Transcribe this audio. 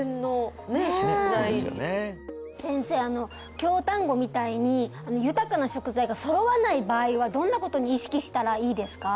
京丹後みたいに豊かな食材が揃わない場合はどんなことに意識したらいいですか？